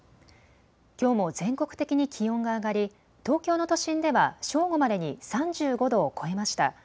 きょうも全国的に気温が上がり東京の都心では正午までに３５度を超えました。